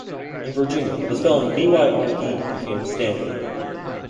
In Virginia, the spelling "Byrd" became standard.